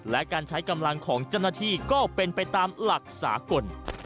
และการใช้กำลังของเจ้าหน้าที่ก็เป็นไปตามหลักสากล